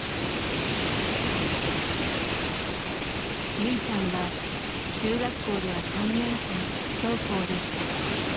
ユイさんは中学校では３年間不登校でした。